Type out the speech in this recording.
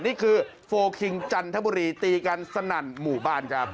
นี่คือโฟลคิงจันทบุรีตีกันสนั่นหมู่บ้านครับ